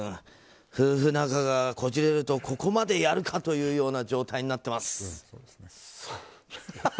夫婦仲がこじれるとここまでやるかというような状態になっています。